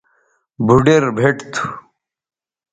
بھوڈیر بھئٹ تھو